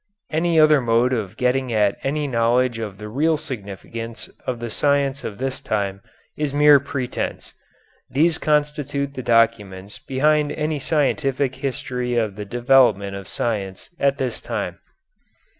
Any other mode of getting at any knowledge of the real significance of the science of this time is mere pretence. These constitute the documents behind any scientific history of the development of science at this time.